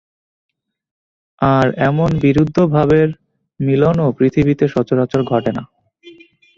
আর এমন বিরুদ্ধভাবের মিলনও পৃথিবীতে সচরাচর ঘটে না।